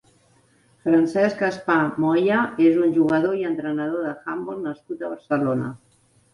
Francesc Espar Moya és un jugador i entrenador d'handbol nascut a Barcelona.